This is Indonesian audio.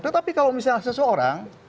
tetapi kalau misalnya seseorang